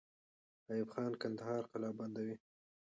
ایوب خان کندهار قلابندوي.